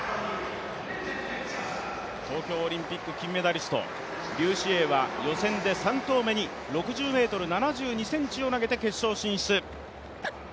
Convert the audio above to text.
東京オリンピック金メダリスト、劉詩穎は予選で３投目に６０ｍ７２ｃｍを投げて決勝進出。